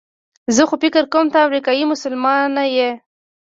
زه خو فکر کوم ته امریکایي مسلمانه یې.